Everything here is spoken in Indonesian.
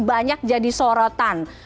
banyak jadi sorotan